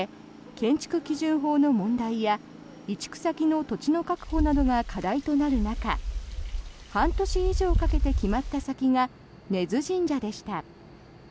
建築基準法の問題や移築先の土地の確保などが課題となる中半年以上かけて決まった先が根津神社でした。